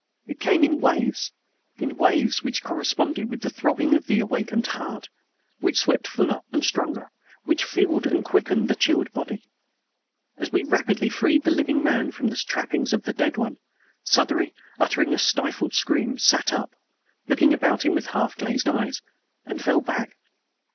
It came in waves in waves which corresponded with the throbbing of the awakened heart; which swept fuller and stronger; which filled and quickened the chilled body. As we rapidly freed the living man from the trappings of the dead one, Southery, uttering a stifled scream, sat up, looked about him with half glazed eyes, and fell back.